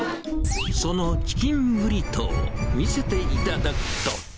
そのチキンブリトー、見せていただくと。